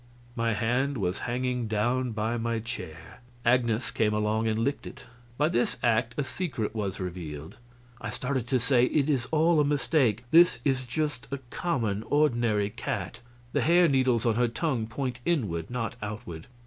My hand was hanging down by my chair; Agnes came along and licked it; by this act a secret was revealed. I started to say, "It is all a mistake; this is just a common, ordinary cat; the hair needles on her tongue point inward, not outward."